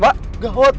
aduh aduh aduh